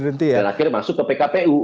dan akhirnya masuk ke pkpu